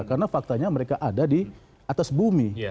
karena faktanya mereka ada di atas bumi